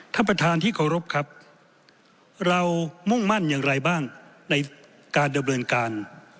ท่านประธานที่เคารพครับเรามุ่งมั่นอย่างไรบ้างในการดำเนินการ